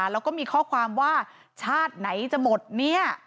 แล้วก็มีข้อความว่าชาติไหนจะหมดเนี่ย